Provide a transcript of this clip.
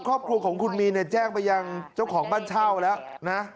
ครอบครัวของคุณมีนเนี่ยแจ้งไปยังเจ้าของบ้านเช่าแล้วนะ